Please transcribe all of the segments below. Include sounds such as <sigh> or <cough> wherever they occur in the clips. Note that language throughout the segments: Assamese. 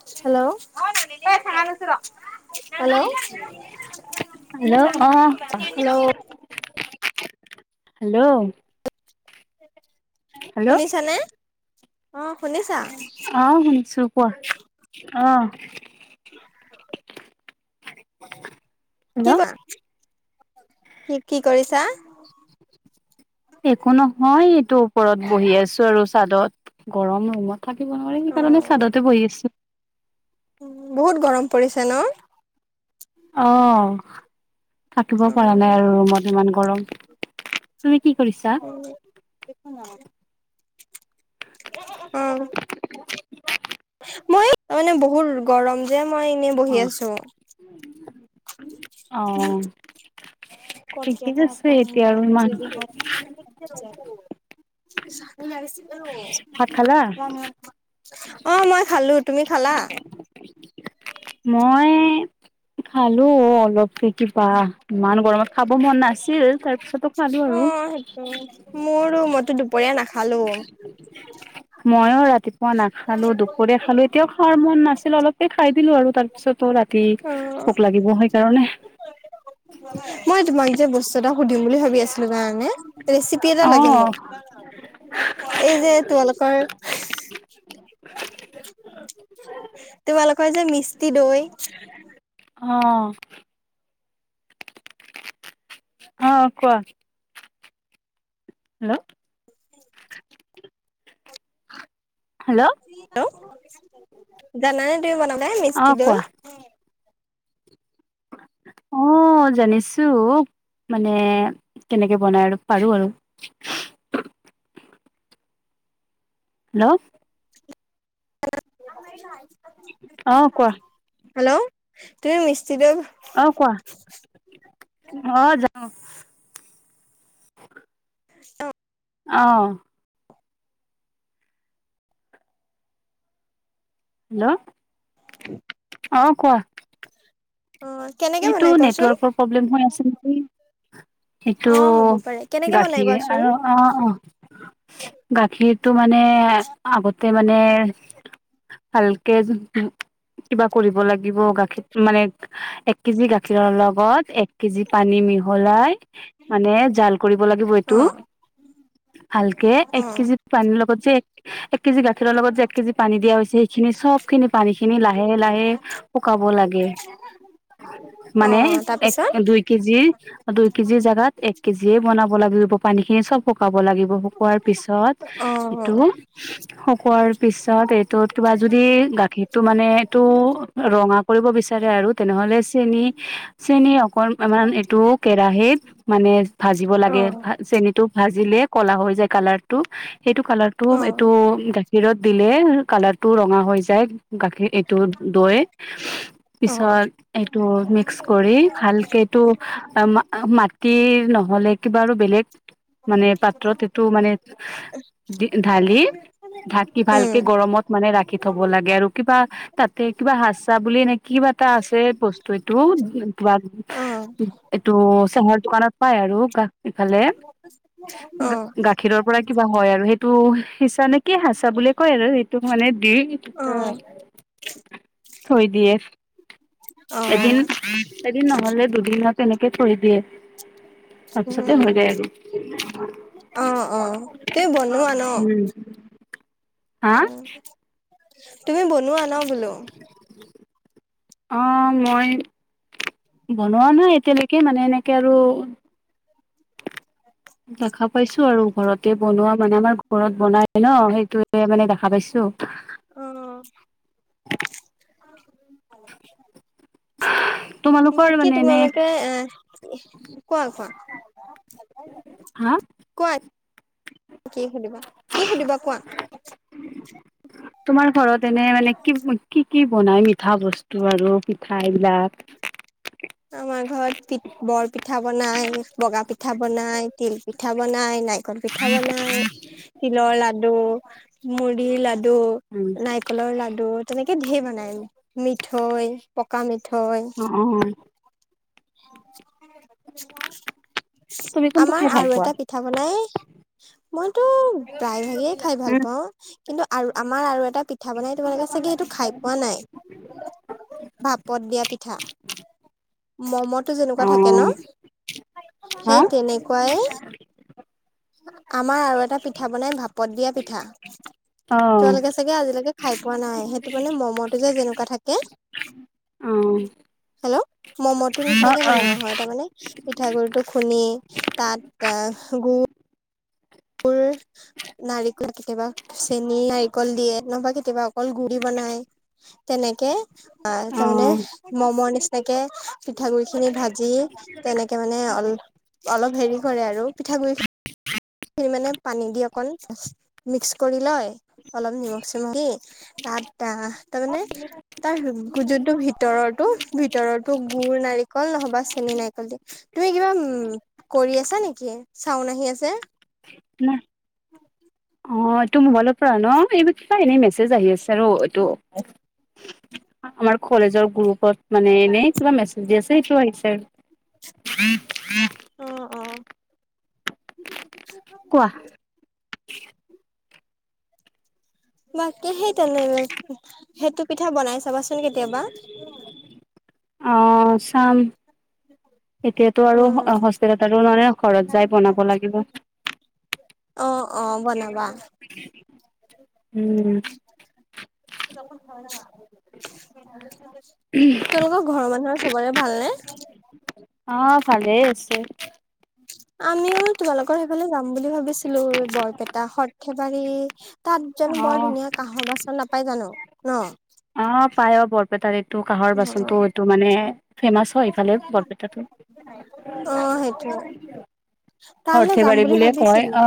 হেলল'ছ! হেল্ল' অহ হেল্ল' হেল্ল' শুনিছা নে অ শুনিছা অহ শুনিছো কোৱা অ <inaudible> হেল্ল' কি কৰি কি কি কৰিছা একো নহয় এইটো ওপৰত বহি আছো আৰু চাদত গৰম ৰুমত থাকিব নোৱাৰে অ সেইকাৰণে স্বাদতে বহি আছো উ বহুত গৰম পৰিছে ন অ থাকিব অ পৰা নাই আৰু ৰুমত ইমান গৰম তুমি কি কৰিছা দেখ ন অ মই মানে বহুত গৰম যে মই এনে অ বহি আছো অ ঠিকে কলকোতক আছে এতিয়া আৰু ইমান ভাত খালা? <unintelligible> অ মই খালো তুমি খালা মই খালোঁ অলপকে কিবা ইমান গৰমত। খাব মন নাছিল তাৰ পিছত। অ', সেইটো মোৰো মইতো দুপৰীয়া নাখালোঁ। মইও ৰাতি। মই নাখালোঁ দুপৰীয়া খালোঁ, এতিয়াও খোৱাৰ মন নাছিল অলপে খাই দিলোঁ আৰু। তাৰপিছতো ৰাতি অ ভোক লাগিব সেইকাৰণে। মই তোমাক যে বস্তু এটা সুধিম বুলি ভাবি আছিলোঁ জানানে। ৰেচিপি এটা অ লাগে মোক। এই যে তোমালোকৰ। তোমালোকৰ যে মিস্তি দৈ। অ'। অ', কোৱা? হেল্ল'। হেল্ল'। হেল্ল' জানানে দুই বনাবলে অ মিস্তি দৈ? কোৱা অ', জানিছোঁ মানে কেনেকে বনাই আৰু পাৰোঁ আৰু। হেল্ল'। অ কোৱা হেল্ল' তুমি মিষ্টি দৈ। অ', কোৱা অ', জানো। অ'। অ'। হেল্ল' অ', কোৱা। অ'। কেনেকে এইটো বনাই কোৱাচোন নেটৱৰ্কৰ প্ৰব্লেম হৈ আছে নেকি। অ সেইটো হ'ব পাৰে কেনেকে বনাই গাখীৰ কোৱাচোন আৰু অ', অ'। গাখীৰটো মানে আগতে মানে। ভালকে কিবা কৰিব লাগিব গাখীৰ মানে। এক কেজি গাখীৰৰ লগত এক কেজি পানী মিহলাই। মানে জাল কৰিব লাগিব এইটো অ ভালকে অ এক কেজি। পানীৰ লগত যে এক এক কেজি গাখীৰৰ লগত যে এক কেজি পানী দিয়া হৈছে সেইখিনি চব খিনি পানী খিনি লাহে, লাহে। শুকাব লাগে অ মানে তাৰপিছত এক-দুই। কেজি দুই কেজি জোগাত এক কেজিয় বনাব লাগিব পানী খিনি চব শুকাব লাগিব। শুৱাৰ পিছত অ এইটো শুকোৱাৰ। পিছত এইটোত কিবা যদি গাখীৰতটো মানে এইটো ৰঙা কৰিব বিচাৰে আৰু। তেনেহ'লে চেনী, চেনী অক মান এইটো। কেৰাহিত মানে ভাজিব অ অ লাগে, চেনিটো ভাজিলে কলা হৈ যায় কালাৰটো। সেইটো কালাৰটো এইটো গাখীৰত। দিলে কালাৰটো ৰঙা হৈ যায়, গাখীৰ এইটো দৈ। অ পিছত এইটো মিক্স কৰি ভালকে এইটো। মাটিৰ নহ'লে কিবা আৰু বেলেগ মানে পাত্ৰত এইটো মানে। ঢালি ঢাকি উম ভালকে গৰমত মানে ৰাখি থব লাগে আৰু। কিবা তাতে কিবা সাজ চা বুলি এনেকে কিবা এটা আছে বস্তুটো। অ এইটো চেহৰ দোকানত পাই আৰু কা <unintelligible> গাখীৰৰ পৰা কিবা হয় আৰু সেইটো সিছানে কি সচা বুলিয়ে কয় আৰু সেইটো মানে দি। অ অ উম। <unintelligible> থৈ দিয়ে। এদিন নহ'লে দুদিন তেনেকে থৈ দিয়ে। তাৰপিছতে উম হৈ যায় আৰু অ তুমি বনোৱা ন উম অ হা তুমি বনোৱা ন বোলো অঁ মই বনোৱা নাই এতিয়ালৈকে মানে এনেকৈ আৰু দেখা পাইছো আৰু ঘৰতে বনোৱা মানে আমাৰ ঘৰত বনাই ন সেইটোয়ে মানে দেখা পাইছো অ তোমালোকৰ বাকী মানে এনে তোমালোকে এ কোৱা কোৱা হা কোৱা কি সুধিবা কি সুধিবা কোৱা তোমাৰ ঘৰত এনে মানে কি কি কি বনাই মিঠা বস্তু আৰু পিঠাবলাক আমাৰ ঘৰত প বৰ পিঠা বনাই বগা পিঠা বনাই তিল পিঠা বনাই নাৰিকল পিঠা পিঠা বনাই তিলৰ লাডু মুড়িৰ লাডু উম নাই নাৰিকলৰ লাড়ু তেনেকে ধঢেৰ বনাই মিঠৈ পকা মিঠেও অ অ তুমি কোনটো আমাৰ খাই ভাল আৰু পোৱা? এটা পিঠা বনাই মইতটো প্ৰায় ভাগেই খাই ভাল উম পাওঁ কিন্তু আৰু আমাৰ আৰু এটা পিঠা বনাই তোমালোকে চাগে সেইটো খাই পোৱা নাই ভাপত দিয়া পিঠা মমো যেনেকুৱা অ থাকে ন হা সেই তেনেকুৱাই আমাৰ আৰু এটা পিঠা বনাই ভাপত দিয়া পিঠা অ তোালোকে চাগে আজিলৈকে খাই পোৱা নাই সেইটো মানে ম'মতটো যেনেকুৱা থাকে অ হেল্ল' ম'ম'টো নিচিনাকে বনোৱা অ হয় তাৰমানে পিঠাাগুৰি টো খুন্দি তাত অ গুুৰ পুৰুষ নাৰিকল কেতিয়াবা চেনি নাৰিকল দিয়ে নবা কেতিয়াবা অকল গুৰি বনাই তেনেকে আহ অ অ তাৰমানে মমৰ নিচিনাকে পিঠাগুৰি খিনি ভাজি তেনেকে মানে অল অলপ হেৰি কৰে আৰু পিঠাগুৰি খিন খিনি মানে পানী দি অকণ মিক্স কৰি লয় অলপ নিমখ চমখ কি তাত আহ তাৰমানে তাৰ যোনটো ভিতৰতো ভিতৰতো গুৰ নাৰিকল নহবা চেন নাৰিকল দি তুমি কিবা উম কৰি আছা নেকি চাওন আহি আছে ন উ অ এইটো মোবাইলৰ পৰা ন এইবোৰ কিবা এনেই মেছেজ আহি আছে আৰু এইটো আমাৰ কলেজৰ গ্ৰুপত মানে এনে কিবা মেছেজ দি আছে সেইটো আহিছে আৰু উম উম অ অ কোৱা বাকী সেই তেনে সেইটো পিঠা বনাই চাবাচোন কেতিয়াবা অ চাম এতিয়াতো আৰু হস্পিটত আৰু নানে ঘৰত যাই বনাব লাগিব অ অ বনাবা উ কাপ <unintelligible> তোলোকৰ ঘৰৰ মানুহৰ চবৰে ভালনে অ ভালেই আছে আমিও তোমালোকৰ সেইফালে যাম বুলি ভাবিছিলো বৰপেটা সৰ্থেবাৰী তাত জানো বৰ অ', ধুনীয়া কাহৰ বাচন নাপায় জানো ন অ পায় অ বৰপেটাত এইটো কাঁহৰ বাচনটো এইটো মানে ফেমাছ হয় ইফালে বৰপেটাটো অ সেইটো অৰ্থেব়ী বুলিয়ে কয় অ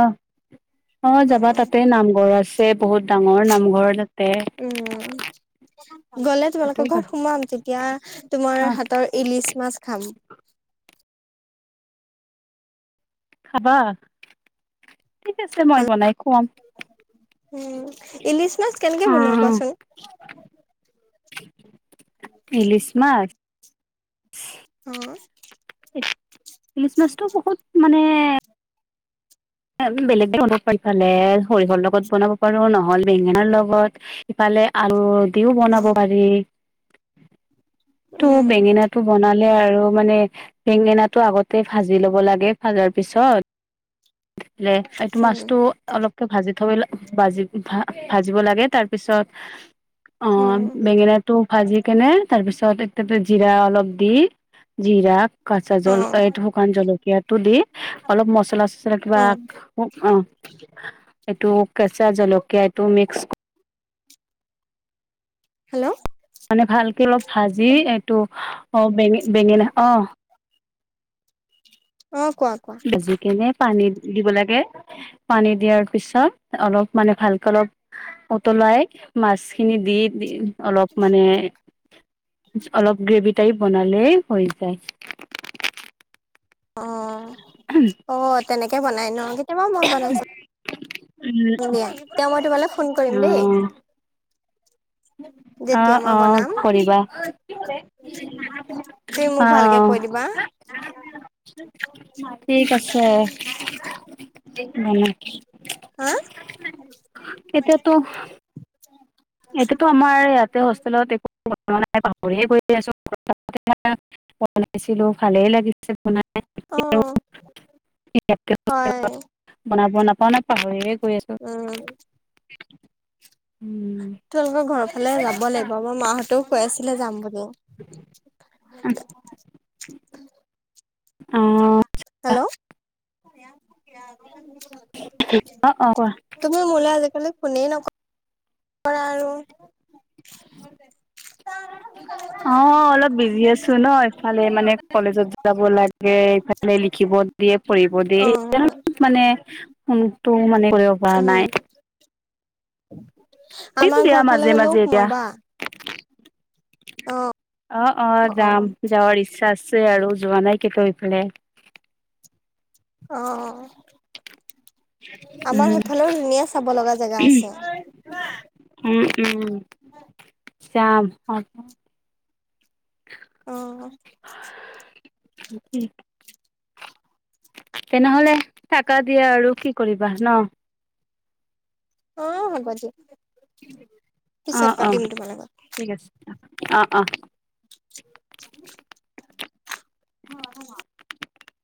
অ যাবা তাতে নামঘৰ আছে বহুত ডাঙৰ নামঘৰ তাতে উম গলে তাতেও তোমালোকৰ যাবা। ঘৰত সোমাম তেতিয়া তোমাৰ আহ হাত ইলিচ মাছ খাম খাবা ঠিক আছে মই বনাই খুৱাম উম ইলিছ মাছ কেনেকে বনোৱা কোৱাচোন ইলিছমাছ অ ইলিষ্টমাছটো বহুত মানে বেলেগ বন পাইালে সৰিয়হৰ লগত বনাব পাৰো নহ'ল বেঙেনাৰ লগত ইফালে আলু দিও বনাব অ', পাৰি ত উম, বেঙেনাটো বনালে আৰু মানে বেঙেনাটো আগতে তে ভাজি ল'ব লাগে ভাজাৰ পিছত এইটো মাছটো উম, অলপকে ভাজি থব ভাজি ভ ভাজিব লাগে তাৰ পিছত অ উম, বেঙেনাটো ভাজি কেনে তাৰপিছত এক জিৰা অলপ দি জিৰা কচা জল অ', এইটো শুকান জলকীয়া টো দি অলপ মচলা চচলা কিবা উম, অ এইটো কেঁচা জলকীয়া এইটো মিক্স হেল্ল' মানে ভালকে অলপ ভাজি এইটো অ বেঙে বেঙেনা অ অ কোৱা কোৱা বাজু কেনে পানী দিব লাগে পানী দিয়াৰ পিছত অলপ মানে ভালকে অলপ উতলাই মাছখিনি দি দি অলপ মানে অলপ গ্ৰেভি টাইপ বনালেই হৈ যায় অ অ তেনেকে বনাই ন কেতিয়াবা মই বনাইছো দিয়া তে মই তোমালৈ ফোন কৰিম দেই উম অ যেতিয়া মই অ অ বনাম কৰিবা তুমি মোক অ ভালকে কৈ দিবা ঠিক আছে <unintelligible> বনাই হা এতিয়াতো এতিয়াতো আমাৰ ইয়াতে হোষ্টেলত একো পাহৰিয় গৈ আছো বনাইছিলো ভালেই লাগিছিল অ', হয় <unintelligible> বনাব নাপাও নে পাহৰিয়ে গৈ আছো উম উম তোলোকৰ ঘৰৰ ফালে যাব লাগিব মই মাহঁতেও কৈ আছিলে যাম বুলি আ অ হেল্ল' অ অ কোৱা তুমি মোলে আজিকালি ফোনেই নকয় কৰা আৰু অ অলপ বিজি আছো ন ইফালে মানে কলেজত যাব লাগে এইফালে লিখিব দিয়ে পঢ়িব দিয়ে অ স মানে কোনটো মানে কৰিব পৰা উম নাই দিম আমাৰ দিয়া ঘৰ ফালে মাজে হলে মাজে এতিয়া হুমাবা অ অ যাম যাৱৰ ইশ্বা আছে আ ৰু যোৱা নাই কিন্তু সিপিনে অ'। উম আমাৰ সেইফালেও ধুনীয়া চাব লগা জেগা আছে। উম, উম। যাম অ'। অ'। <inaudible> তেনেহ'লে থাকা দিয়া আৰু কি কৰিবা ন। অ', হ'ব দিয়া। পিছত অ', অ', পাতিম তোমাৰ লগত ঠিক আছে অ', অ'। <inaudible> <inaudible> <inaudible>